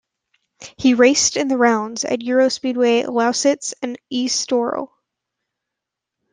He raced in the rounds at EuroSpeedway Lausitz and Estoril.